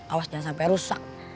awas jangan sampai rusak